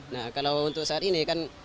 nah kalau untuk saat ini kan